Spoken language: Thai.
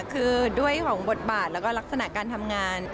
คือด้วยของบทบาทแล้วก็ลักษณะการทำงาน